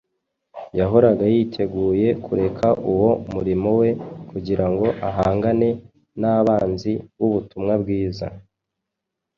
yahoraga yiteguye kureka uwo murimo we kugira ngo ahangane n’abanzi b’ubutumwa bwiza